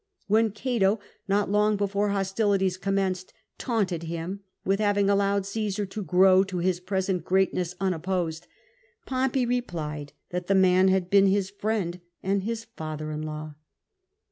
When Cato, not long before hostilities commenced, taunted him with having allowed Caesar to grow to his present greatness unopposed, Pompey replied that the man had been his friend and his father in law.